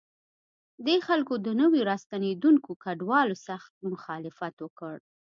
دې خلکو د نویو راستنېدونکو کډوالو سخت مخالفت وکړ.